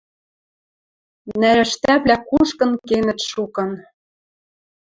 Нӓрӓштӓвлӓ кушкын кенӹт шукын